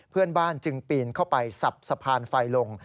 เพื่อนบ้านจึงปีนเข้าไปสับสะพานไฟลง